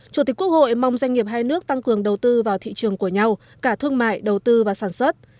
chủ tịch quốc hội mong doanh nghiệp hai nước tăng cường đầu tư vào thị trường của nhau cả thương mại đầu tư và sản xuất